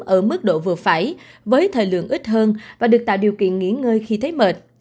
ở mức độ vừa phải với thời lượng ít hơn và được tạo điều kiện nghỉ ngơi khi thấy mệt